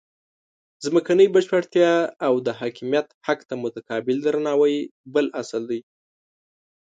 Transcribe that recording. ځمکنۍ بشپړتیا او د حاکمیت حق ته متقابل درناوی بل اصل دی.